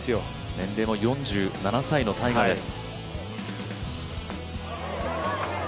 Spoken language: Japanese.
年齢も４７歳のタイガーです。